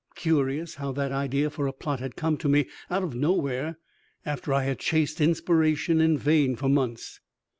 Curious how that idea for a plot had come to me out of nowhere after I had chased inspiration in vain for months!